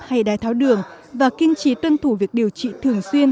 hay đai tháo đường và kinh trí tuân thủ việc điều trị thường xuyên